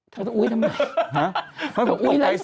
เธอจะได้อุ้ยทำไม